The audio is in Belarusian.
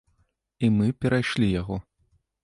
І мы перайшлі яго.